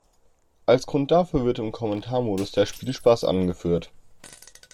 Als Grund dafür wird im Kommentar-Modus der Spielspaß angeführt.